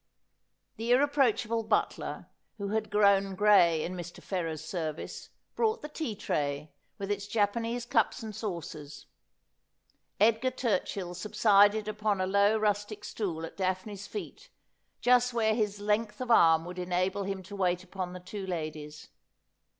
The irre proachable butler, who had grown gray in Mr. Ferrers's service, brought the tea tray, with its Japanese cups and saucers. Edgar Turchill subsided upon a low rustic stool at Daphne's feet, just where his length of arm would enable him to wait upon the two ladies.